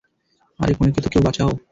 আরে কনেকে তো কেউ বাঁচাও!